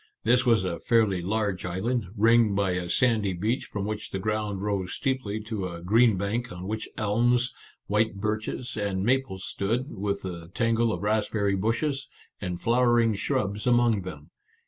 This was a fairly large island, ringed by a sandy beach from which the ground rose steeply to a green bank on which elms, white birches, and Our Little Canadian Cousin 51 maples stood, with a tangle of raspberry bushes, and flowering shrubs among them.